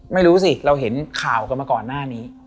ไม่รู้สิเราเห็นข่าวกันมาก่อนหน้านี้